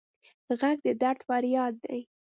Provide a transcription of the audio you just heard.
غږ د درد فریاد دی